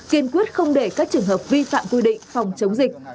kiên quyết không để các trường hợp vi phạm quy định phòng chống dịch